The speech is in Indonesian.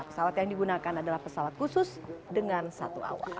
pesawat yang digunakan adalah pesawat khusus dengan satu awal